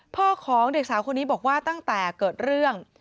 พ่อของเด็กสาวคนนี้บอกว่าตั้งแต่เกิดเรื่อง